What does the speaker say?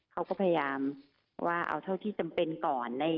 เขาก็พยายามว่าเอาเท่าที่จำเป็นก่อน